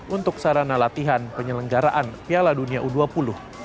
untuk sarana latihan penyelenggaraan piala dunia u dua puluh